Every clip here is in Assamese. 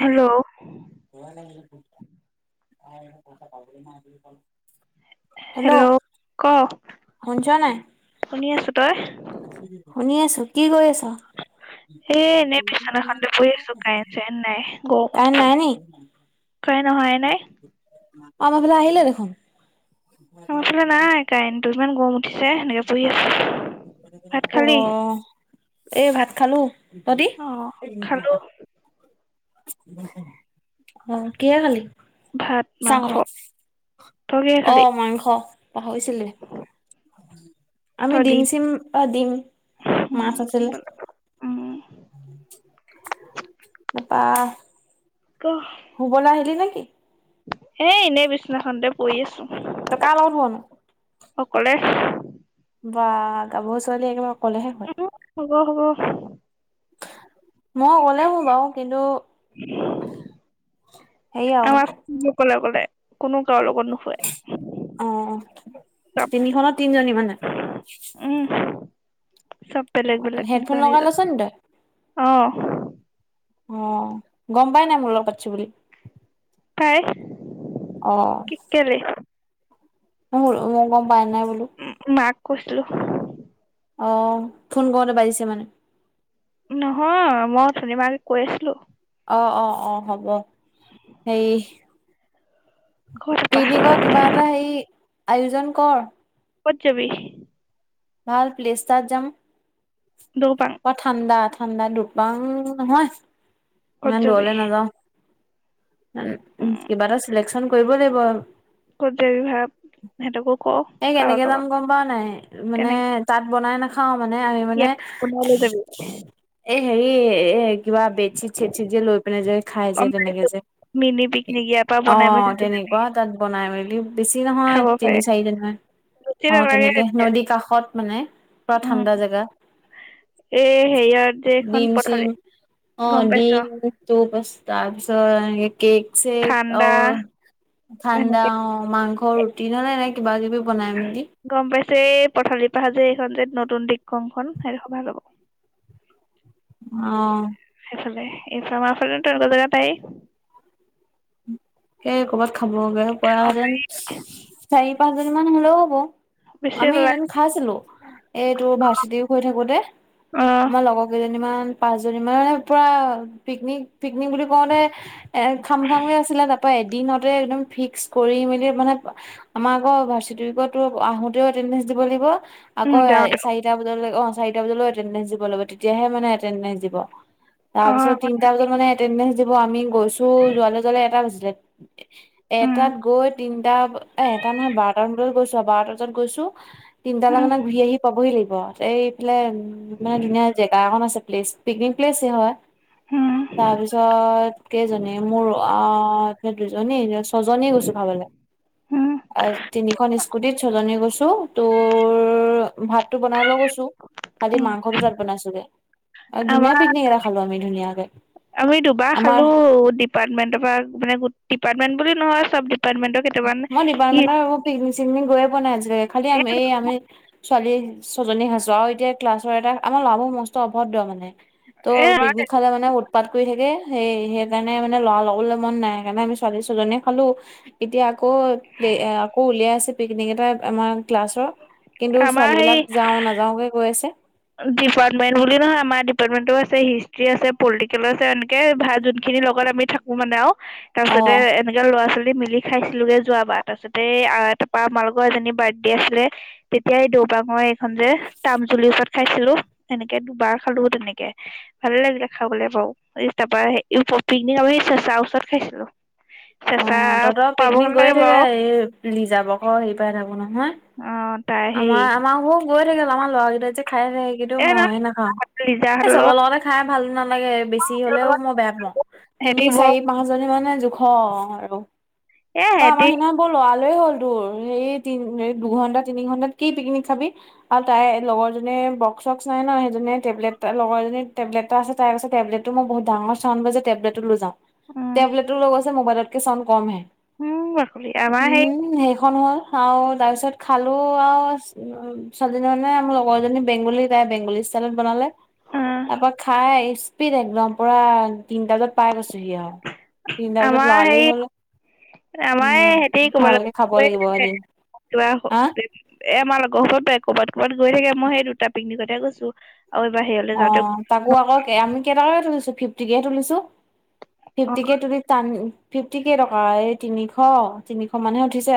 হেল্ল' [unintelligible] হেল্ল' ক, শুনিছ নাই শুনি আছো, তই? শুনি আছো। কি কৰি আছ? এ এনেই বিচনাখনতে পৰি আছো কাৰেণ্ট কাৰেং নাই নি? [unintelligible] নহয় নে? আমাৰ ফালে আহিলে দেখোন। আমাৰ ফালে নাই কাৰেনটো ইমান গৰম উঠিছে সেনেকে পৰি আছে। ভাত খালি? এ, ভাত খালো অ খালো [unintelligible] অ', কিহে খালি? ভাত মাংস। চাঙৰে তই কিহে খালি অ', মাংস পাহৰিছিলোঁৱে। আমি দিম চিম অ', দিম, উম মাছ গম আছিলে। পালো। উম, তাপা ক'। শুবলে আহিলি নেকি? এ, এনেই বিচনা খনতে পৰি তই আছোঁ। কাৰ লগত শুৱ নো অকলে বা গাভৰু ছোৱালী একেবাৰে অকলেহে শুৱে। উ, হ'ব হ'ব। মই অকলে শু বাৰু কিন্তু হেৰি আও আমাৰ [unintelligible] অকলে অকলে। কোনো কাৰোঁ লগত নুশু অ'। তিনিখনত তিনজনী মানে? উম, চব বেলেগ বেলেগ, হেডফোন নিজৰ লগাই নিজৰ। লৈছ নি তই অ'। অ', গম পাই নাই মোৰ লগত পাতছোঁ বুলি? পায়। অ'। কেলে? [unintelligible] মই গম পাই নাই বোলো। মাক কৈছিলোঁ। অ', ফোন কৰোঁতে বাজিছে মানে। নহয় মই উঠনি পা [unintelligible] কৈ আছিলোঁ। অ', অ', অ', হ'ব। হেৰি ক তাপা পিকনিকৰ কিবা এটা হেৰি আয়োজন কৰ। ক'ত যাবি? ভাল প্লেছতাত যাম। দ্ৰোপাং? অ', ঠাণ্ডা ঠাণ্ডা দ্ৰোপাং নহয়। ক'ত ইমান যাবি দূৰলে নাযাওঁ। উম, কিবা এটা চিলেকচন কৰিব লাগিব আৰু। ক'ত যাবি ভাব সিহঁতকো ক এই, কাৰোবাক কেনেকে যাম কাৰোবাক গম পাৱ নাই মানে কেনেকে তাত বনাই নাখাওঁ মানে আমি মানে ইয়াত [unintelligible] লৈ যাবি। এই হেৰি এ, কিবা বেদচিত চেদচিত যে লৈ পিনে যে খাই যে গম তেনেকে পাইছো যে। মিনি এ, পিকনিক ইয়াৰ পৰা বনাই মেলি অ', লৈ যাবি তেনেকুৱা তাত বনাই মেলি বেছি নহয় খাব তিনি পাৰে চাৰি জনীমান। বেছি অ', নালাগে তেনেকে তেতিয়া। নদী কাষত মানে পুৰা উম ঠাণ্ডা জেগা। এই হেৰিয়ত যে এইখন দিম চিম। পথালি গম অ', পাইছ দিম ত' পাছ তাৰ পিছত কেক চেক ঠাণ্ডা অ', সেনেকুৱা ঠাণ্ডা অ', মাংস ৰু দিনত এনে কিবা কিবি বনাই মেলি। গম পাইছে এই পথালি পাহাৰ যে এইখন যে নতুন দিক্ৰংখন সেইদখ ভাল হ'ব। অ'। সেইফালে [unintelligible] পাৰি সেই ক'ৰবাত খাবগে পোৱাহেঁতেন, চাৰি পাঁচজনীমান হ'লেও হ'ব। বেছি আমি ওলাই এদিন খাইছিলোঁ। এই তোৰ ভাৰ্চিটি উইক হৈ থাকোতে, অ আমাৰ লগৰ কেইজনীমান পাঁচজনী মানে পুৰা পিকনিক পিকনিক বুলি কওঁতে এ, খাম খামকে আছিলে তাৰপা এদিনতে একদম ফিক্স কৰি মেলি মানে আমাৰ আকৌ ভাৰ্চিটি উইকত তোৰ আঁহোতেও এটেনডেন্স দিব লাগিব উম আকৌ আ, যাওঁতে চাৰিটা বজালৈও অ', চাৰিটা বজালৈও এটেনডেন্স দিব লাগিব তেতিয়াহে মানে এটেনডেন্স দিব। অ তাৰপিছত তিনটা বজাত মানে এটেনডেন্স দিব আমি গৈছোঁ যোৱালে যোৱালে এটা বাজিলে। উম এটাত গৈ তিনটা এ এটা নহয় বাৰটামান বজাত গৈছো আৰু বাৰটা বজাত গৈছো। তিনিটালে উম মানে ঘূৰি আহি পাবহি লাগিব। এইফালে মানে ধুনীয়া জেগা একন আছে প্লেচ পিকনিক প্লেছেই হয়। উম তাৰপিছত কেইজনী মোৰ আ এ দুজনী ছয়জনী গৈছো খাবলৈ। হুম। তিনিখন স্কুটিত ছয়জনী গৈছো তোৰ ভাতটো বনাই লৈ গৈছো। খালি উম মাংসটো তাত বনাইছোগে। ধুনীয়া আমাৰ পিকনিক এটা খালো আমি ধুনীয়াকে। আমাৰ ডিপাৰ্টমেণ্টৰপা মানে ডিপাৰ্টমেণ্ট বুলি নহয় চব ডিপাৰ্টমেণ্টত মই ডিপাৰ্টমেন্টৰ পিকনিক চিকনিক গৈয়ে পোৱা নাই আজিলেকে খালি এ আমি এই আমি ছোৱালী ছয়জনী খাইছো আৰু এতিয়া ক্লাছৰ এটা আমাৰ ল'ৰাবোৰ মস্ত অভদ্ৰ মানে। ত' এ পিকনিক খালে মানে উৎপাত কৰি থাকে সেই সেইকাৰণে মানে ল'ৰা ল'বলৈ মন নাই সেইকাৰণে আমি ছোৱালী ছয়জনীয়ে খালো। এতিয়া আকৌ আকৌ উলিয়াই আছে পিকনিক এটা আমাৰ ক্লাছৰ কিন্তু আমাৰ ছোৱালী সেই বিলাক যাও নাযাওকে গৈছে। ডিপাৰ্টমেন্ট বুলি নহয় আমাৰ ডিপাৰ্টমেন্টৰো আছে হিষ্ট্ৰি আছে পলিটিকেল আছে এনেকে ভাল যোনখিনি লগত আমি থাকো মানে আৰু অ তাৰপিছতে জন ল'ৰা ছোৱালী মিলি খাইছিলোগে যোৱাবাৰ তাৰপিছতে আহ তাপা আমাৰ লগৰ এজনী বাৰ্থডে আছিলে তেতিয়া এই দৌপামৰ এইখন যে তামজুলিৰ ওচৰত খাইছিলো এনেকে দুবাৰ খালো তেনেকে ভালে লাগিলে খাবলৈ বাৰু তাৰপা পিকনিক আমি চেচা ওচৰত খাইছিলো অ চেঁচা তহঁতৰ পাব পিকনিক গৈয়ে নালাগে থাকে বাৰু এই লিজা ভাগৰ হেৰি পাই থাকো নহয়। অ তাই হেৰি আমাৰ-আমাৰ বোৰো গৈ থাকে আমাৰ ল'ৰাগিতাই যে খাই থাকে কিন্তু এ নহয় মইহে নেখাওঁ লিজাহঁতৰ চবৰ লগত লগতে খাই ভাল নালাগে বেছি হলেও মই বেয়া পাওঁ তিনি সিহঁতি বৰ চাৰি মাজনী মানে জোখৰ আৰু এ অ আমাৰ সিহঁতি সিদিনা বৰ লৰালৰি হ'ল তোৰ হেৰি দুঘন্টা তিনি ঘন্টাত কি পিকনিক খাবি আৰু তাই লগৰ জনি বক্স চক্স নাই ন সেইজনীয়ে টেবলেট লগৰ এজনী টেবলেট তাৰপিছত তাই কৈছে টেবলেটতোট মোৰ বহুত ডাঙৰ চাউণ্ড বাজে টেবলেটটো লৈ যাওঁ। উম টেবলেটো লৈ গৈছে মবাইলত কে চাউণ্ড কমহে উম বাকলি আমাৰ হেৰি উম সেইখন হ'ল আৰু তাৰপিছত খালোঁ আৰু ছোৱালজনী মানে লগৰ এজনী বেংগলী তাই বেংগলী ষ্টাইলত বনালে অ তাৰপা খাই স্পিড একদম পুৰা তিনটা বজাত পাই গৈছোহি আৰু তিনিটা বজাত আমাৰ লৰালৰি হেৰি হ'ল। আমাৰ উম, এই হেঁতি ক'বালৈ ভালকে খাব গৈ লাগিব থাকে এদিন কিবা হা এ আমাৰ লগৰসোপা ক'ৰবাত ক'ৰবাত গৈ থাকে মই সেই দুটা পিকনিকতহে গৈছো আৰু এবাৰ হেৰিঅত অ তাকো আকৌ আমি কেইটকাকে তুলিছো ফিফটিকে তুলিছো অ ফিফটিকে তুলি টান ফিফটি কেইটকা এই তিনিশ তিনিশ মানহে উঠিছে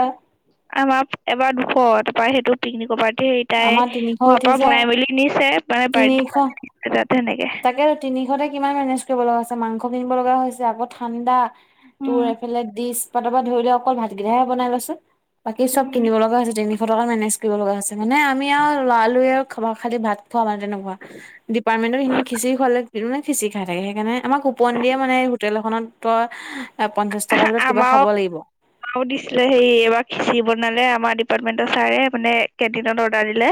আমাৰ এবাৰ দুশ তাৰপৰা সেইটো পিকনিকৰ পাৰ্টি হেৰি তাই আমাৰ তিনিশ ঘৰৰ পৰা উঠিছে বনাই মেলি নিছে মানে বাৰ্থডে তাত সেনেকে তাকেটো তিনিশতে কিমান মেনেজ কৰিব লগা হৈছে মাংস কিনিব লগা হৈছে আকৌ ঠাণ্ডা তোৰ উম এফালে দিছ পাতৰ পৰা ধৰিলে অকল ভাতকেইটাহে বনাই লৈছো বাকী চব উম কিনিব লগা হৈছে তিনিশ টকা মেনেজ কৰিব লগা হৈছে মানে আমি আৰু লৰালৰি খাব খালি ভাত খোৱা মানে তেনেকুৱা ডিপাৰ্টমেন্টত সিদিনা খিচিৰি খোৱালে কোনেনো খিচিৰি খাই থাকে সেইকাৰণে আমাক কুপন দিয়ে মানে হোটেল এখনত তই পঞ্চাছ টকাৰ ভিতৰত কিবা খাব লাগিব অ দিছিলে হে এইবাৰ খিচিৰি বনালে আমাৰ ডিপাৰ্টমেন্টৰ ছাৰে মানে কেণ্টিনত অৰ্ডাৰ দিলে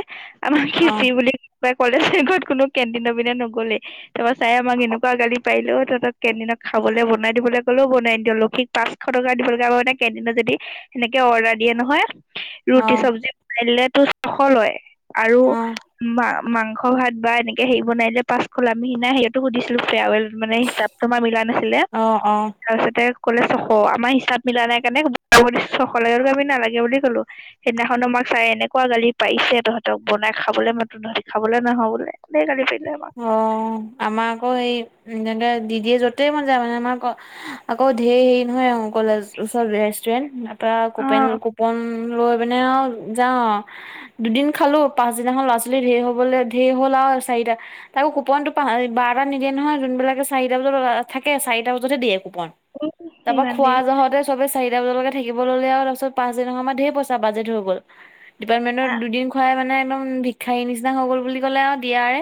আমাৰ অ খিচিৰি বুলি কোনোবাই ক'লে শেষত কোনো কেণ্টিনৰ ভিতৰত নগলে তাৰপৰা চাৰে আমাক এনেকুৱা গালি পাৰিলে ঐ তহঁতক কেন্টিনত খাবলৈ বনাই দিবলৈ ক'লেও বনাই নিদিয় লক্ষীক পাঁচশ টকা দিব লগা হয় মানে কেণ্টিনত যদি সেনেকে অৰ্ডাৰ দিয়ে নহয় অ ৰুটি চব্জি কাৰলে তো চশ লয় আৰু অ মাংস ভাত বা এনেকে হেৰি বনাই দিলে পাঁচশ লয় আমি সিদিনা হেৰিঅতো সুধিছিলো ফেৱাৰ মানে হিচাপ তো আমাৰ মিলা নাছিলে অ অ তাৰপিছতে কলে চশ আমাৰ হিচাপ মিলা নাই কাৰণে চশ লাগে আমি নালাগে বুলি কলো সেইদিনাখন আমাক চাৰে এনেকুৱা গালি পাৰিছে তহঁতক বনাই খাবলৈ মাতো তহঁতি খাবলৈ নাহ বোলে। ধেৰ গালি পাৰিছিলে আমাক অ আমাৰ আকৌ সেই তেনেকে দিদিয়ে যতেই মন যায় মানে আমাৰ আকৌ ধেৰ হেৰি নহয় কলেজৰ ওচৰত ৰেষ্টুৰেণ্ট তাৰপৰা কুপেন কুপন লৈ পিনে আৰু যাও দুদিন খালো পাচদিনাখন ল'ৰা ছোৱালী ঢেৰ হ'বলৈ ধেৰ হ'ল আৰু চাৰিটা তাকো কুপনটো বাৰটাত নিদিয়ে নহয় যোনবিলাকে চাৰিটা বজাত থাকে চাৰিটা বজাতহে দিয়ে কুপন অ তাৰপা ইমান খোৱা দেৰি জহতে চবে চাৰিটা বজালৈকে থাকিব ল'লে আৰু তাৰিছত পাঁচ দিনাখনৰ পৰা ধেৰ পইচা বাজেট হৈ গ'ল ডিপাৰ্টমেণ্টৰ দুদিন খুৱাই মানে একদম ভিক্ষাৰী নিচিনা হৈ গ'ল বুলি ক'লে আৰু দিয়াৰে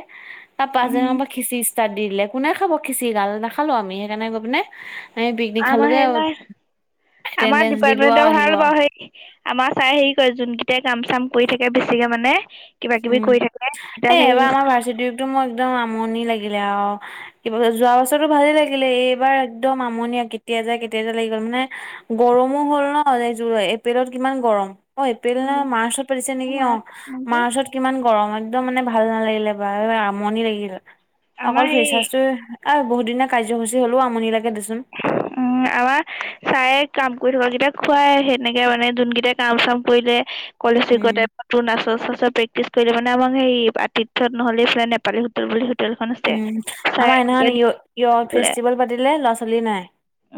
তাৰ পাছদিনা উম খনৰ পৰা খিচিৰি ষ্টাৰ্ট দি দিলে কোনে খাব খিচিৰিগাল নাখালো আমি সেইকাৰণে গৈ পিনে আমি পিকনিক আমাৰ খালোগে সেইদিনা আমাৰ এটেনডেঞ্চ দিলো আৰু ডিপাৰ্টমেণ্টৰ ভাল আহিলো আৰু বাৰু সেই আমাৰ ছাৰে হেৰি কৰে যোনগিটাই কাম চাম কৰি থাকে বেছিকে মানে কিবা কিবি উম কৰি থাকে এতিয়া এ হেৰি এইবাৰ আমাৰ ভাৰ্চিটি উইকটো মোৰ একদম আমনি লাগিলে আৰু। যোৱা বছৰটো ভালেই লাগিলে এইবাৰ একদম আমনী কেতিয়া যায় কেতিয়া যায় লাগি গ'ল মানে গৰমো হ'ল ন এপ্ৰিলত কিমান গৰম অ এপ্ৰিল নে উম মাৰ্চত পাতিছে নিকি অ আমাৰ কি মাৰ্চত কিমান গৰম। একদম মানে ভাল নালাগিলে এবাৰ। এবাৰ আমনি লাগিল। আমাৰ অকল হেৰি ফ্ৰেছাৰ্ছটো আৰু বহুতদিনীয়া কাৰ্যসূচী হ'লও আমনি লাগে দেচোন। উম। উম আমাৰ ছাৰে কাম কৰি থকা কেইটাক খুৱাই সেনেকে মানে যোনকেইটাই কাম চাম কৰিলে কলেজ উম উইকটে পাতো নাচৰ চাচৰ প্ৰেকটিছ কৰিলে মানে আমাক সেই আতিথ্য নহলে সেই নেপালী ডুবিল হোটেলখন আছে উম। ছাৰে আমাৰ গোটাই হেদনাখন দি বোলে ইৱথফেষ্টিভেল পাতিলে, ল'ৰা-ছোৱালী নাই।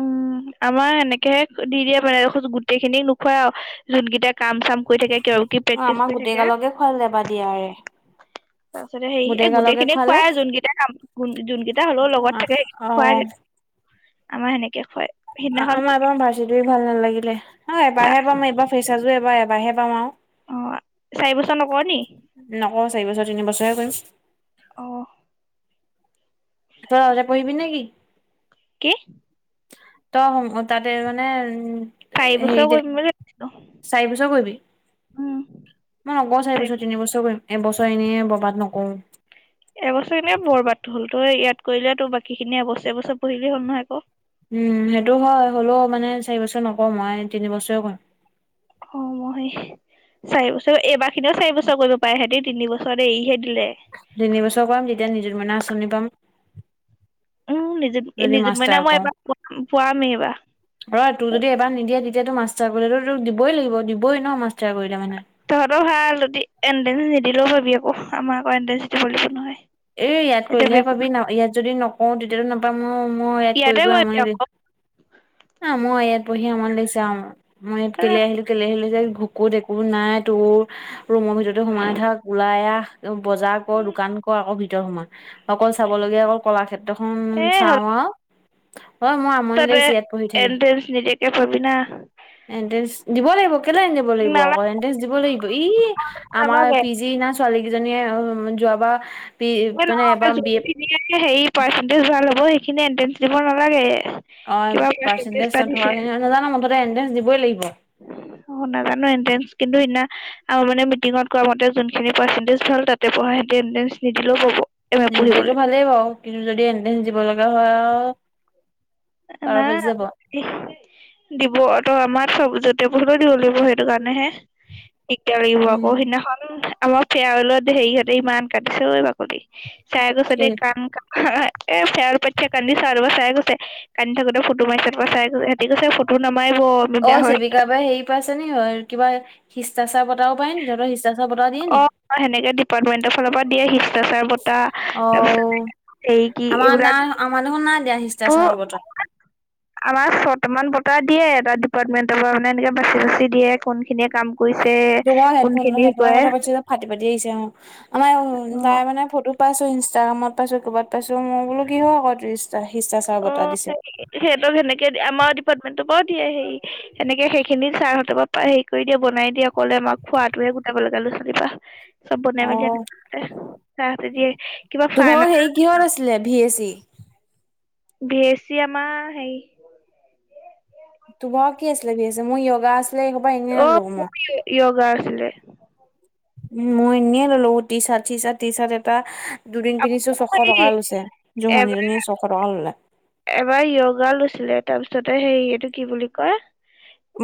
উম আমাৰ হেনেকেহে দি দিয়ে মানে, গোটেইখিনিক নোখোৱাই আও। যোনকেইটা কাম চাম কৰি থাকে, কিয় কি অ প্ৰেক্টিচ আমাৰ কৰি গোটেই থাকে গালকে খুৱালে বাৰ দিয়াৰে তাৰপিছতে হেৰি এই, গোটেই গালকে গোটেইখিনিক খুৱালে খুৱাই, যোনকেইটা কাম যোনকেইটা হ'লেও লগত থাকে অ সেইখিনিক খুৱাগে। আমাৰ সেনেকে খুৱায়। অ' আমাৰ এবাৰ ভাৰ্চিটো ভাল নালাগিলে, আৰু চা এবাৰহে পাম, এইবাৰ ফ্ৰেচাৰজো এবাৰ এবাৰহে পাম আৰু। অ' চাৰি বছৰ নকৰ নি? নকৰোঁ চাৰি বছৰ, তিনি বছৰহে কৰিম। অ'। তই অকলে পঢ়িবি নেকি? কি? তই হ'ম তাতে মানে, উ এ, চাৰি বছৰ হেৰিতে, কৰিম বুলি ভাবিছিলো চাৰি বছৰ কৰিবি? উম, মই নকৰোঁ চাৰি বছৰ, তিনিবছৰ কৰিম। এবছৰ এনে বৰবাদ নকৰোঁ। এবছৰ এনে বৰবাদ হ'ল, তই ইয়াত কৰিলে তোত বাকীখিনি এবছৰ এবছৰ পঢ়িলি হ'ল নহয় আকৌ। উম, সেইটো হয়, হ'লেও মানে চাৰি বছৰ নকৰোঁ, মই তিনি বছৰে কৰিম। অ' মই চাৰি বছৰ, এইবাৰখিনিও চাৰি বছৰ কৰিব পাৰে, সিহঁতি তিনি বছৰত এৰিহে দিলে। তিনি বছৰ কৰাম, তেতিয়া নিযুত মইনা আঁচনি পাম। উম, নিযুত যদি নিযুত মইনা মাষ্টাৰ মই এইবাৰ প-পোৱামেই এইবাৰ। অ' তোক যদি এইবাৰ নিদিয়ে, তেতিয়া তোৰ মাষ্টাৰ কৰিলে তোক দিবই লাগিব, দিবই ন' মাষ্টাৰ কৰিলে মানে। তহঁতৰ ভাল, তহঁতে এনট্ৰেন্ঞ্চ নিদিলেও পাবি আকৌ, আমাৰ আকৌ এণ্ট্ৰেন্স দিব লাগিব নহয়। এ, ইয়াত এতিয়া কৰিলেহে পাবি, না ইয়াত যদি নকওঁ তে তেয়ো নাপাম মোৰ মই ইয়াত কৰি ইয়াতে আম কৰিবি দেই। আকৌ ন মই ইয়াত পঢ়ি আমনী লাগিছে আৰু মই ইয়াত কেলে আহিলো কেলে আহিলো ক'ত একো নাই তোৰ ৰুমৰ ভিতৰতে সোমাই থাক ওলাই আহ বজাৰ কৰ দোকান আকৌ ভিতৰ সোমা অকল চাব লগীয়া অ কলাক্ষেত্ৰখন এ চাও আৰু। অ' মই ততে এডে নিজেকে পবি না? এনটেন্চ দিব লাগিব। কেলে নিদিব লাগিব আকৌ নালাগে এটেন্ডেন্স দিব লাগিব এই আমাৰ নালাগে পি জি ন ছোৱালী কেইজনীয়ে যোৱাবাৰ পি মানে নহয় এবাৰ বি এ যোনিন হ পাৰ্চেটেজ ভাল হ'ব সেইখিনি এন্ট্ৰেঞ্চ দিব নালাগে। অ কিবা পাৰ্চেন্টেজ এটা দিছে নথকা খিনি হয় নাজানো মুঠতে এন্ট্ৰেন্ঞ্চ দিবই লাগিব। অ' নাজানো এণ্ট্ৰে কিন্তু সিদিনা আৰু মানে মিটিঙত কোৱা মতে যোনখিনি পাৰ্চেন্টেজ ভাল তাতে পঢ়ে নিদিলেও পাব। এম এ নিদিলেতো পঢ়িবলৈ। ভালেই বাও কিন্তু যদি এণ্ট্ৰেন্স দিব লগা হয় আও নাই দিব ত আমাৰ চবজতেবুলো দিব লাগিব সেইটো কাৰণে হে। দিগদাৰ লাগিব উম, আকৌ সিদিনাখন আমাৰ ফেৰওলত হেৰি হঁতে ইমান কাটিছে ঐ বাকলি। চাইকোছে দ কেলে কান এ চে প ক্দি চাৰিব চাই কৈছে কান্দি থাকোতে ফটো মাৰিছে চাইছে সিহতি কৈছে ফটো নামাৰিব। আমি বেয়া অ' হৈ চেৱিকা বা হেৰি পাইছে নি কিবা শিষ্টাচাৰ বটাও পাই নি তহঁতৰ শিষ্টাচাৰ বটাও দিয়ে অ নিকি? সেনেকে ডিপাৰ্টমেন্টৰ ফালৰ পৰা দিয়ে অ সেইকি এইবিলাক আমাৰদেখোন নাই দিয়া শিষ্টাচাৰৰ বটা। আমাৰ ছটা মান বটা দিয়ে এটা ডিপাৰ্টমেন্টৰ পৰা মানে এনেকে বাচি বাচি দিয়ে কোন তোমাৰ হেডফোন হেডফোনৰ কৰে কথা পাতিছে যে ফাটি ফাটি আহিছে অ'। মানাই তাই অ। মানে ফটো পাইছো ইনষ্টাগ্ৰামত পাইছো ক'ৰবাত পাইছো মই বোলো কি হয় আকৌ টুৰিষ্ট চা শিষ্টা চা অ' স সিহঁতক সেনেকে আমাৰ ডিপাৰ্টমেন্টৰ পৰাও দিয়ে হেৰি এনেকে সেইখিনি ছাৰ হঁতৰ পৰা হেৰি কৰি দিয়ে বনাই দিয়ক। কলে আমাক খোৱাটোহে গোটাব লাগে ল'ৰা ছোৱালীৰপৰা চব বনাই মেলি আনে। অ', চ চাহ টো দে তোমাৰ হেৰি কিহত আছিলে V A C? B A C আমাৰ সেই তোমাৰ কি আছিলে ভিএচে মোৰ য়গা আছিলে এইখপা এনেই ললো মই। য়গা আছিলে। উ মই এনেই ললো T shirt- C shirt, T shirt এটা দুদিন পিন্ধিছোঁ ছশ টকা হেৰি লৈছে এবাৰ জহনীজনীয়ে ছশ টকা ল'লে। এবাৰ য়োগা লৈছিলে তাৰ পিছতে হেৰি এইটো কি বুলি কয়?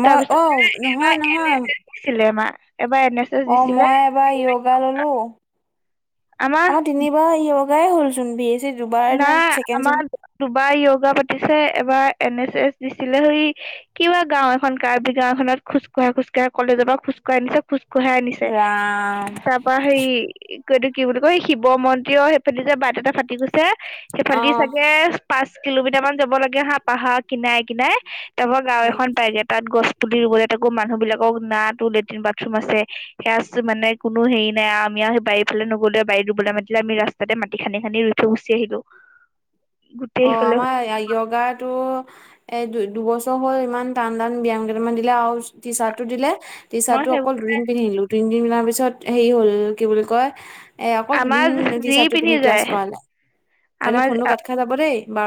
মই তাৰপিছত অ এবাৰ নহয় এন নহয় এছ এছ কৈছিলে আমাৰ এবাৰ এন এছ এছ অ' দিছিলে মই এবাৰ য়োগা ললো আমাৰ আমাৰ তিনিবাৰ য়গাই হ'ল চোন বি এ চি দুবাৰ দি নাই চছেকেড আমাৰ চেম দুবাৰ য়োগা পাতিছে এবাৰ এন এ চেছ দিছিলে সেই কিবা গাঁও এখন কাৰ্বি গাঁওএখনত খোজ কৰাই খোজ কৰাই কলেজৰ পৰা খোজ কৰাই নিছে। খোজ কঢ়াই আনিছে ৰাম তাৰ পা হেৰি ক এইটো কি বুলি কয় এই শিৱ মন্দিৰৰ সেইফালে যে বাট এটা ফাটি গৈছে। অ সেইফালেদি চাগে পাঁচ কিলোমিটাৰ মান যাব লাগে হাহ পাহাৰৰ কিনাই কিনাই তাৰপৰা গাঁও উম এখন পাইগে। তাত গছ পুলি ৰুবলে তাকো মানুহ বিলাকক নাটো লেট্ৰিন, বাথৰুম আছে সেয়া আছে মানে কোনো হেৰি নাই আমি আ বাৰী ফালে নগলোৱেই বাৰীত ৰুবলে মাতিলে আমি ৰাস্তাতে মাটি খানি খানি তোমচি আহিলো। গোটেই অ' সেইফালে আমাৰ য়োগাটো। এ দু দুবছৰ হয় ইমান টান টান ব্যয়াম কেইটামান দিলে আৰু টি চাৰ্টটো দিলে। টি আমাৰ চাৰ্টটো অকল সেইবোৰ দুদিন পিন্ধিলো তিনদিনৰ পিছত হেৰি হ'ল কি বুলি কয় এ অকল দুদিন আমাৰ যি টিচাৰটো পিন্ধি ক্লাছ যায় কৰালে, এতিয়া আমাৰ ফোনটো কাত খাই যাব দেই বা